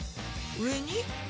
上に？